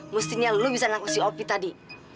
mestinya lu bisa nangkut si opi tadi